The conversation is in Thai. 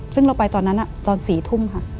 ซึ่งเราไปตอนนั้นตอน๔ทุ่มค่ะ